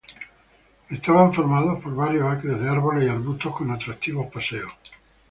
Estaban formados por varios acres de árboles y arbustos con atractivos paseos.